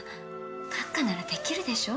閣下ならできるでしょ？